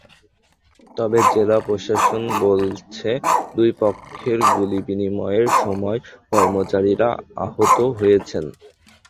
তবে জেলা প্রশাসন বলছে, দুই পক্ষের গুলিবিনিময়ের সময় কর্মচারীরা আহত হয়েছেন।